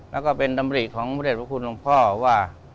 แล้วก็เป็นดำริของพระเด็จพระคุณหลวงพ่อว่า